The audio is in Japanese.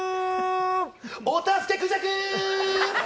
お助けクジャクー！